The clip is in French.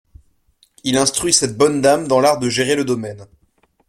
Il instruit cette bonne dame dans l'art de gérer le domaine.